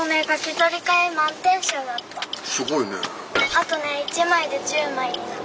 あとね１枚で１０枚になる。